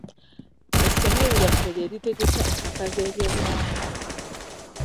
Essomero lyaffe lye litegeka empaka z'ebyobuwangwa.